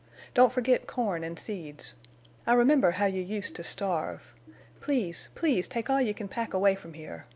Don't forget corn and seeds. I remember how you used to starve. Please—please take all you can pack away from here.